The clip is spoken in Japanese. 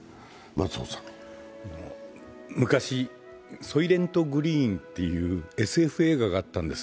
昔「ソイレントグリーン」っていうＳＦ映画があったんです。